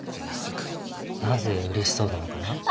なぜうれしそうなのかな？